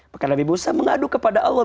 maka nabi busa mengadu kepada allah